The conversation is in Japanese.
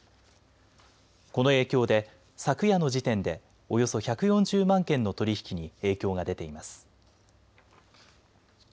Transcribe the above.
この影響で昨夜の時点でおよそ１４０万件の取り引きに影響が出ています。